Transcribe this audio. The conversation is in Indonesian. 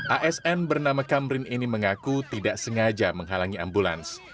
asn bernama kamrin ini mengaku tidak sengaja menghalangi ambulans